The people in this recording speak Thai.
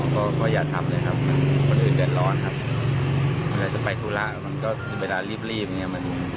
ก็อยากทำเลยครับคนอื่นเดินร้อนครับไปทุร้าก็ก็เรียบเดินร้อนเนาะเหนื่อย